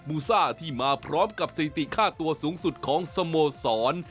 ูซ่าที่มาพร้อมกับสถิติค่าตัวสูงสุดของสโมสร